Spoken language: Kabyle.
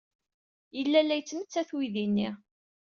Yella la yettmettat uydi-nni.